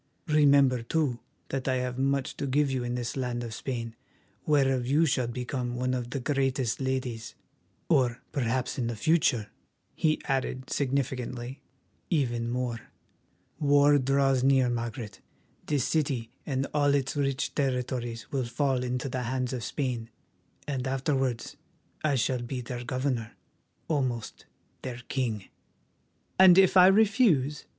Remember, too, that I have much to give you in this land of Spain, whereof you shall become one of the greatest ladies, or perhaps in the future," he added significantly, "even more. War draws near, Margaret; this city and all its rich territories will fall into the hands of Spain, and afterwards I shall be their governor, almost their king." "And if I refuse?"